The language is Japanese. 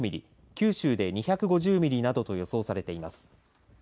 九州で２５０ミリなどと予想されています。